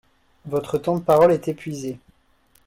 Votre temps de parole est épuisé.